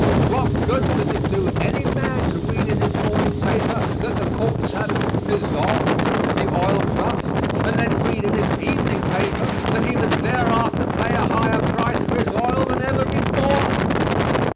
What good does it do any man to read in his morning paper that the courts have "dissolved" the Oil Trust, and then read in his evening paper that he must thereafter pay a higher price for his oil than ever before?